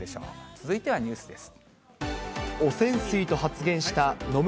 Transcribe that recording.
続いてはニュースです。